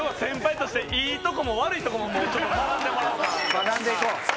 学んでいこう。